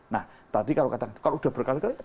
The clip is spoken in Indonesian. nah tadi kalau sudah berkata kata